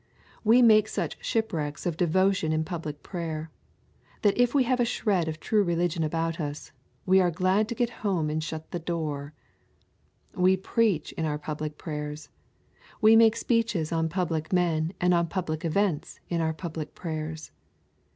We make such shipwrecks of devotion in public prayer, that if we have a shred of true religion about us, we are glad to get home and to shut our door. We preach in our public prayers. We make speeches on public men and on public events in our public prayers.